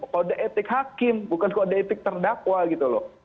kode etik hakim bukan kode etik terdakwa gitu loh